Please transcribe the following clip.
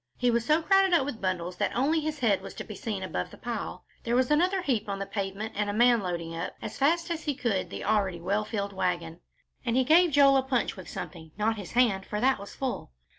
He was so crowded up with bundles that only his head was to be seen above the pile; there was another heap on the pavement and a man loading up, as fast as he could, the already well filled wagon, and he gave Joel a punch with something, not his hand, for that was full.